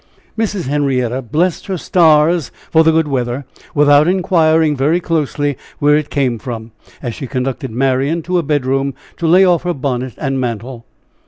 Mrs. Henrietta blessed her stars for the good weather, without inquiring very closely where it came from, as she conducted Marian to a bedroom to lay off her bonnet and mantle.